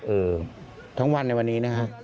เออทั้งวันในวันนี้นะครับ